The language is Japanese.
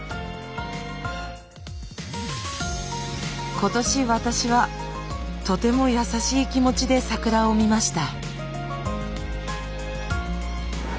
今年私はとても優しい気持ちで桜を見ました。